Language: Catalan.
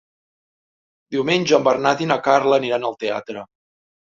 Diumenge en Bernat i na Carla aniran al teatre.